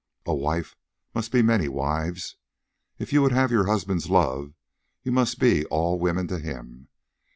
A wife must be many wives. If you would have your husband's love you must be all women to him.